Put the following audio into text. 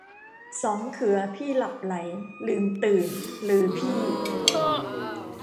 สองเขือพี่หลับใหล ลืมตื่น ฤๅพี่